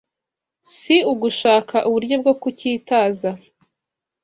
si ugushaka uburyo bwo kucyitaza,